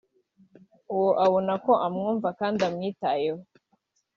uwo abona ko amwumva kandi amwitayeho